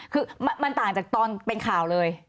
คือมันต่างจากตอนเป็นข่าวเลย